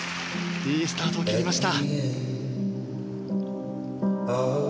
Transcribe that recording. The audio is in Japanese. いいスタートを切りました。